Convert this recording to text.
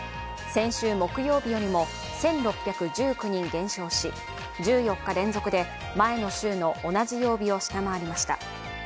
先週木曜日よりも１６１９人減少し１４日連続で前の週の同じ曜日を下回りました。